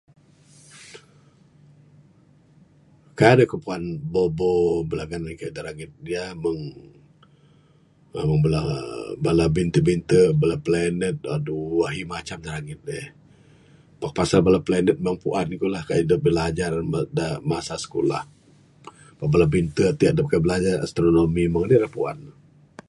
Kaik dangan ku puan ubo ubo bilangan kayuh da rangit meng meng bala binte binte bala planet adoh ahi macam langit eh. Pak pasal bala planet nang puan ku lah bilajar da masa skulah meng bala binte ti da bilajar astronomy meng anih ra Puan ne.